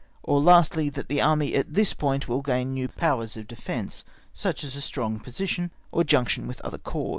or, lastly, that the Army at this point will gain new powers of defence, such as a strong position, or junction with other corps.